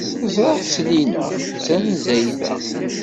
Ẓriɣ-tt llinna, tanezzayt-a.